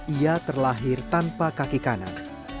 ia terlahir tanpa kaki kanan